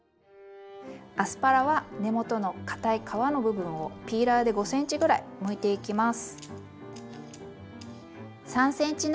アスパラは根元のかたい皮の部分をピーラーで５ｃｍぐらいむいていきます。